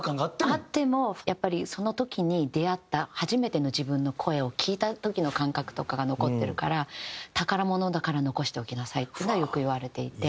あってもやっぱりその時に出会った初めての自分の声を聴いた時の感覚とかが残ってるから「宝物だから残しておきなさい」っていうのはよく言われていて。